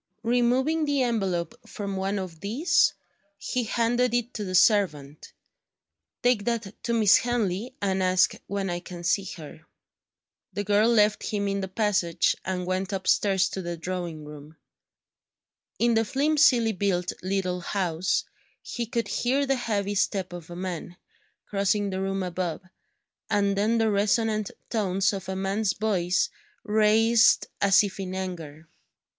Removing the envelope from one of these, he handed it to the servant: "Take that to Miss Henley, and ask when I can see her." The girl left him in the passage, and went upstairs to the drawing room. In the flimsily built little house, he could hear the heavy step of a man, crossing the room above, and then the resonant tones of a man's voice raised as if in anger.